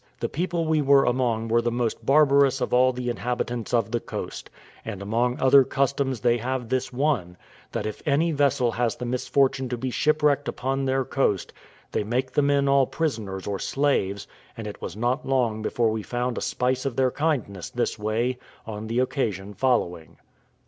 The people we were among were the most barbarous of all the inhabitants of the coast; and among other customs they have this one: that if any vessel has the misfortune to be shipwrecked upon their coast, they make the men all prisoners or slaves; and it was not long before we found a spice of their kindness this way, on the occasion following.